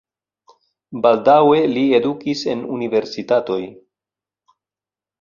Baldaŭe li edukis en universitatoj.